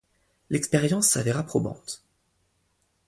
L'expérience s'avéra probante.